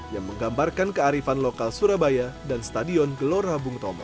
yang menggambarkan kearifan lokal surabaya dan stadion gelora bung tomo